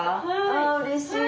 はい。